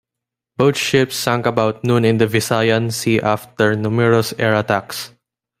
Both ships sank about noon in the Visayan Sea after numerous air attacks.